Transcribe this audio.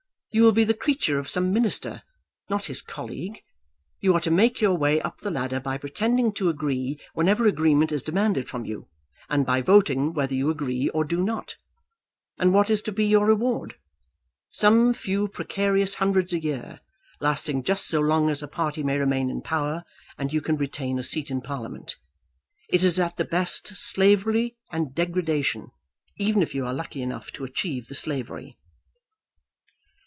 You will be the creature of some minister, not his colleague. You are to make your way up the ladder by pretending to agree whenever agreement is demanded from you, and by voting whether you agree or do not. And what is to be your reward? Some few precarious hundreds a year, lasting just so long as a party may remain in power and you can retain a seat in Parliament! It is at the best slavery and degradation, even if you are lucky enough to achieve the slavery."